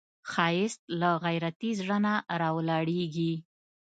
ښایست له غیرتي زړه نه راولاړیږي